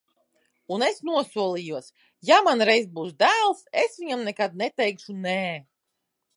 Un es nosolījos: ja man reiz būs dēls, es viņam nekad neteikšu nē.